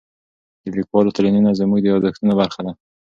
د لیکوالو تلینونه زموږ د یادښتونو برخه ده.